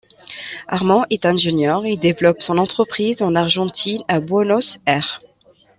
Armand est ingénieur, il développe son entreprise en Argentine, à Buenos Aires.